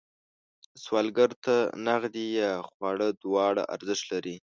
سوالګر ته نغدې یا خواړه دواړه ارزښت لري